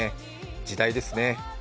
時代ですね。